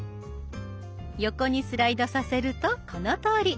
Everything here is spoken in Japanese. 横にスライドさせるとこのとおり。